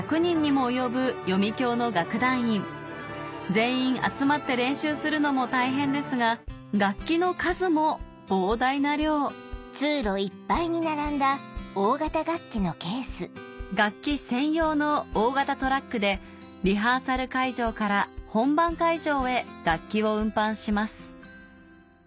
全員集まって練習するのも大変ですが楽器の数も膨大な量楽器専用の大型トラックでリハーサル会場から本番会場へ楽器を運搬します